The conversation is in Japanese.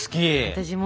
私も！